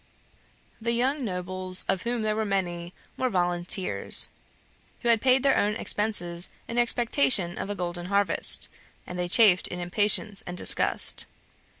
The young nobles, of whom there were many, were volunteers, who had paid their own expenses in expectation of a golden harvest, and they chafed in impatience and disgust.